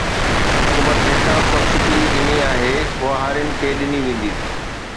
حڪومت جيڪا به سبسڊي ڏيڻي آهي اها هارين کي ڏني ويندي